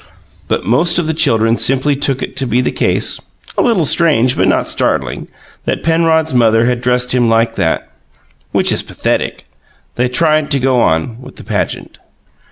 But most of the children simply took it to be the case (a little strange, but not startling) that Penrod's mother had dressed him like that which is pathetic. They tried to go on with the "pageant."